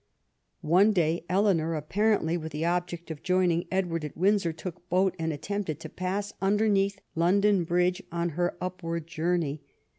One day Eleanor, apparently with the object of joining Edward at Windsor, took boat and attempted to pass underneath London bridge on her upward journey.